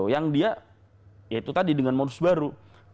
yang dia ya itu tadi dengan modus baru